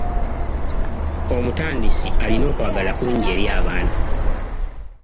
Omutandisi alina okwagala kungi eri abaana.